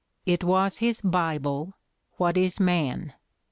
It was his "Bible" — "What Is Man?"